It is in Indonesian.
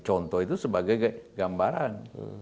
contoh itu sebagai gambaran